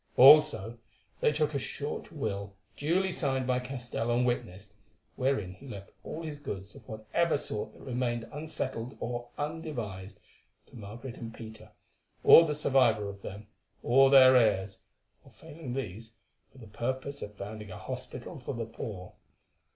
Also, they took a short will duly signed by Castell and witnessed, wherein he left all his goods of whatever sort that remained unsettled or undevised, to Margaret and Peter, or the survivor of them, or their heirs, or failing these, for the purpose of founding a hospital for the poor.